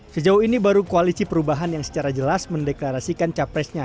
sejauh ini baru koalisi perubahan yang secara jelas mendeklarasikan capresnya